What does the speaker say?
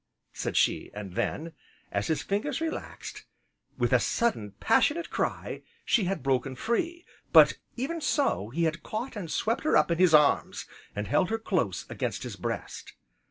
said she, and then, as his fingers relaxed, with a sudden passionate cry, she had broken free; but, even so, he had caught and swept her up in his arms, and held her close against his breast.